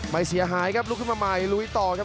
เสียหายครับลุกขึ้นมาใหม่ลุยต่อครับ